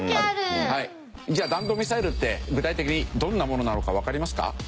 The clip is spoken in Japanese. じゃあ弾道ミサイルって具体的にどんなものなのかわかりますか？